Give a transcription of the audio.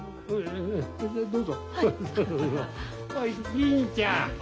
銀ちゃん！